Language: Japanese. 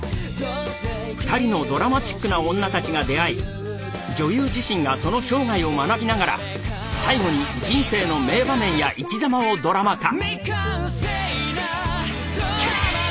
２人のドラマチックなオンナたちが出会い女優自身がその生涯を学びながら最後に人生の名場面や生きざまをドラマ化。